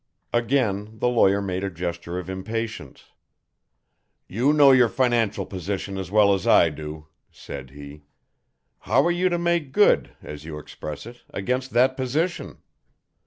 Again the lawyer made a gesture of impatience. "You know your financial position as well as I do," said he. "How are you to make good, as you express it, against that position?